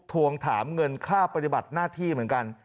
ทวงถามเงินค่าปฏิบัติหน้าที่เหมือนกัน